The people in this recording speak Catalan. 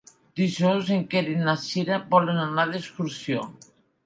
Dijous en Quer i na Cira volen anar d'excursió.